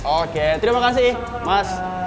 oke terima kasih mas